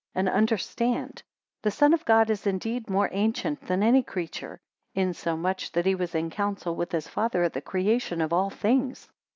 and understand. The Son of God is indeed more ancient than any creature; insomuch that he was in council with his Father at the creation of all things.